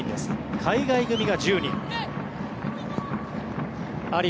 海外組が１０人。